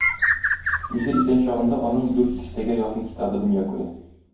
Үзе исән чагында аның дүрт дистәгә якын китабы дөнья күрә.